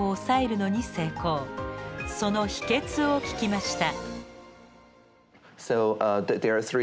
その秘けつを聞きました。